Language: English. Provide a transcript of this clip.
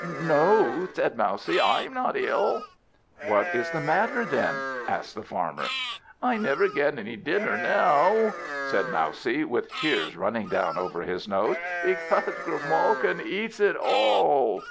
"No," said Mousie, "I'm not ill." "What is the matter, then?" asked the Farmer. "I never get any dinner now," said Mousie, with tears running down over his nose, "because Grimalkin eats it all!"